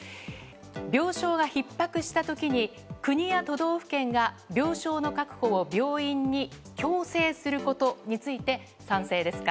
病床がひっ迫した時に国や都道府県が病床の確保を病院に強制することについて賛成ですか？